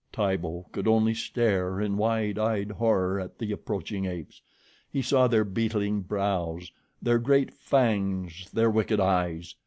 Tibo could only stare in wide eyed horror at the approaching apes. He saw their beetling brows, their great fangs, their wicked eyes.